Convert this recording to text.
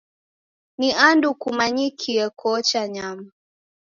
Ni andu kumanyikie koocha nyama.